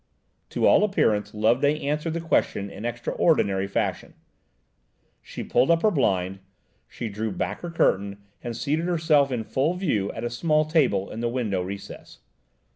To all appearance Loveday answered the question in extraordinary fashion. She pulled up her blind, she drew back her curtain, and seated herself, in full view, at a small table in the window recess.